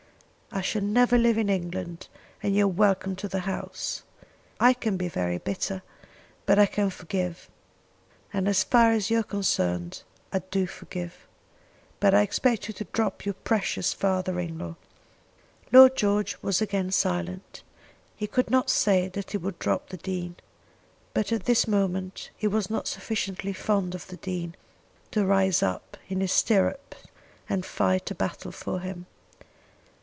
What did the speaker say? I shall never live in England, and you are welcome to the house. I can be very bitter, but I can forgive; and as far as you are concerned I do forgive. But I expect you to drop your precious father in law." Lord George was again silent. He could not say that he would drop the Dean; but at this moment he was not sufficiently fond of the Dean to rise up in his stirrups and fight a battle for him.